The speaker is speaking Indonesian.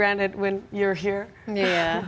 anda di sini